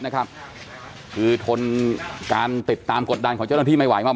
คือทนการติดตามกดดันของเจ้าหน้าที่ไม่ไหวมาก